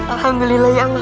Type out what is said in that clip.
alhamdulillah ya engah